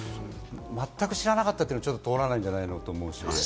まったく知らなかったというのは通らないんじゃないの？と思うし。